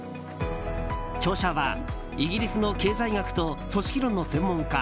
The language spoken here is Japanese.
著者はイギリスの経済学と組織論の専門家